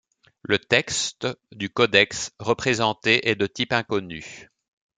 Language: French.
Le texte du codex représenté est de type inconnu.